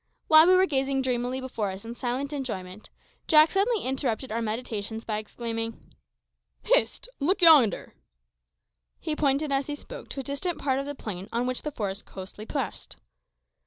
While we were gazing dreamily before us in silent enjoyment, Jack suddenly interrupted our meditations by exclaiming "Hist! look yonder!" He pointed as he spoke to a distant part of the plain on which the forest closely pressed.